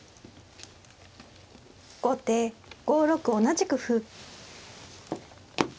後手５六同じく歩。